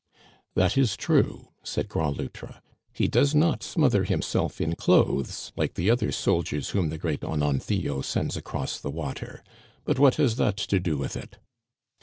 " That is true," said Grand Loutre. " He does not smother himself in clothes like the other soldiers whom the Great Ononthio sends across the water. But what has that to do with it